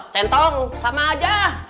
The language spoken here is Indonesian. tentong sama aja